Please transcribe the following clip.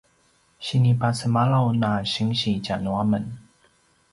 sinipasemalaw na sinsi tja nuamen